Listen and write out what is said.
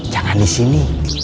jangan di sini